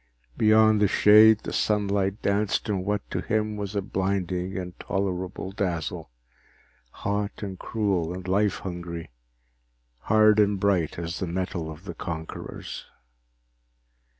Beyond the shade, the sunlight danced in what to him was a blinding, intolerable dazzle, hot and cruel and life hungry, hard and bright as the metal of the conquerors.